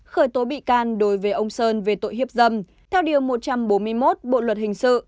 khởi tố bị can đối với ông sơn về tội hiếp dâm theo điều một trăm bốn mươi một bộ luật hình sự